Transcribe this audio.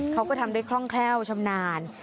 เขาก็ทำได้คล่องแคล่วชำนาญ